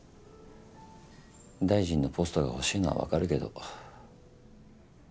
大臣のポストが欲しいのはわかるけど。